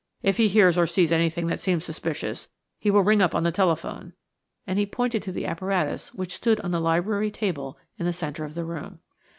If he hears or sees anything that seems suspicious he will ring up on the telephone;" and he pointed to the apparatus which stood on the library table in the centre of the room.